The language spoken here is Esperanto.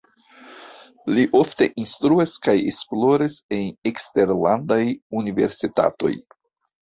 Li ofte instruas kaj esploras en eksterlandaj universitatoj.